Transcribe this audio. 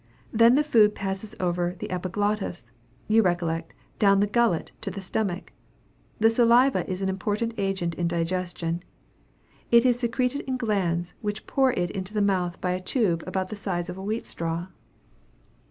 Then the food passes over the epiglottis, you recollect, down the gullet to the stomach. The saliva is an important agent in digestion. It is secreted in glands, which pour it into the mouth by a tube about the size of a wheat straw.